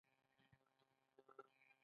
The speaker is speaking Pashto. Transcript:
آیا د سبسایډي سیستم هلته عام نه دی؟